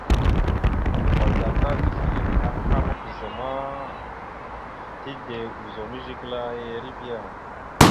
Ambagata tisləliŋ aha mabəza ma, tide ozum Zigəla ya erivea.